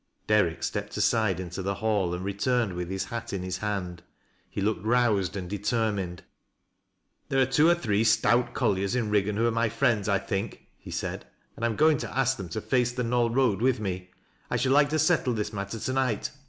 Derrick stepped aside into the hall and returned witli his hat in his hand. He looked roused and determined. " There are two or three stout colliers in Kiggan who. are my friends, I think," he said, " and I am going to ask them to face the Knoll Eoad with me. I should like to settle thi^ matter to night.